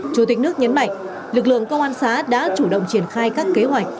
chủ tịch nước nhấn mạnh lực lượng công an xã đã chủ động triển khai các kế hoạch